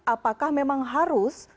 apakah memang harus